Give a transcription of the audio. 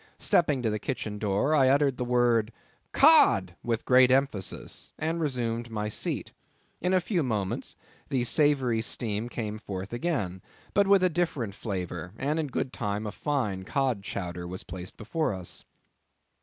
Stepping to the kitchen door, I uttered the word "cod" with great emphasis, and resumed my seat. In a few moments the savoury steam came forth again, but with a different flavor, and in good time a fine cod chowder was placed before us.